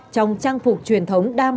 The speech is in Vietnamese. trong trang phục truyền thống đam mê